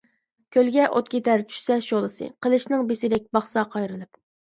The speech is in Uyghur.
كۆلگە ئوت كېتەر چۈشسە شولىسى، قىلىچنىڭ بىسىدەك باقسا قايرىلىپ.